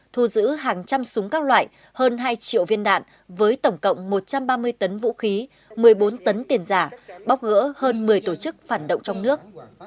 thu giữ hàng trăm súng các loại hơn hai triệu viên đạn với tổng cộng một trăm ba mươi tấn vũ khí một mươi bốn tấn tiền giả bóc gỡ hơn một mươi tổ chức phản động trong nước